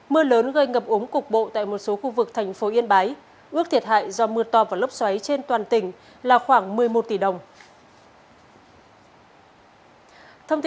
mưa lớn gây ngập ống cục bộ tại một số khu vực thành phố yên bái ước thiệt hại do mưa to và lốc xoáy trên toàn tỉnh là khoảng một mươi một tỷ đồng